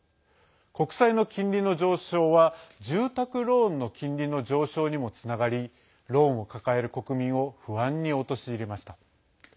国債の金利の上昇は住宅ローンの金利の上昇にもつながりローンを抱える国民を不安に陥れました。